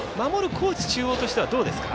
高知中央としてはどうですか？